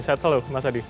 sehat selalu mas adi